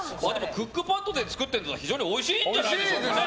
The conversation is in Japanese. クックパッドで作っているってことは非常においしいんじゃないでしょうかね。